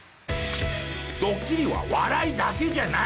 ドッキリは笑いだけじゃない！